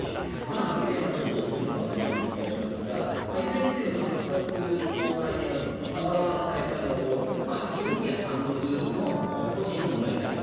見ている感じ、どっちの可能性もあるような気がしますがいずれにせよ８月の会見だと澤田さんも林さんも基本的には単独の個人の問題であると。